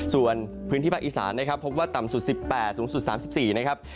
ส่วนพื้นที่ภาคอีสานนะครับพบว่าต่ำสุด๑๘สูงสุด๓๔นะครับ